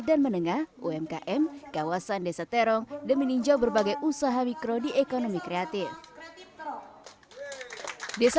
dan menengah umkm kawasan desa terong dan meninjau berbagai usaha mikro di ekonomi kreatif desa